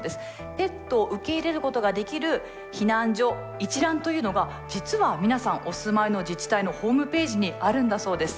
ペットを受け入れることができる避難所一覧というのが実は皆さんお住まいの自治体のホームページにあるんだそうです。